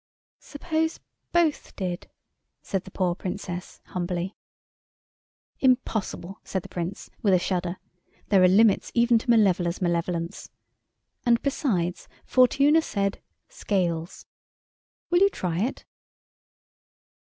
"Suppose both did," said the poor Princess, humbly. "Impossible," said the Prince, with a shudder; "there are limits even to Malevola's malevolence. And, besides, Fortuna said 'Scales.' Will you try it?"